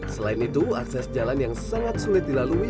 selain itu akses jalan yang sangat sulit dilalui